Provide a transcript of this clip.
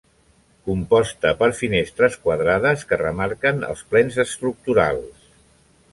Composta per finestres quadrades, que remarquen els plens estructurals.